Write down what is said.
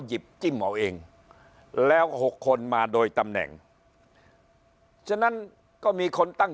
จิ้มเอาเองแล้ว๖คนมาโดยตำแหน่งฉะนั้นก็มีคนตั้ง